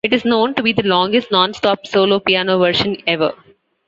It is known to be the longest non-stop solo piano version ever.